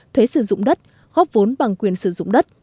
thuế sử dụng đất góp vốn bằng quyền sử dụng đất